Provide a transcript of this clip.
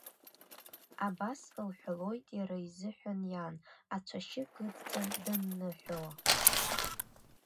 Абас лҳәалоит иара изыҳәан иан, ацәашьы кыдҵан данныҳәауа.